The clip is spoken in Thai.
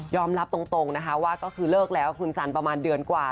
รับตรงนะคะว่าก็คือเลิกแล้วคุณสันประมาณเดือนกว่า